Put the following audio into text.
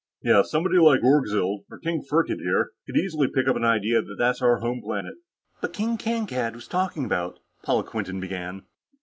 Yes, somebody like Orgzild, or King Firkked here, could easily pick up the idea that that's our home planet." "But King Kankad was talking about...." Paula Quinton began.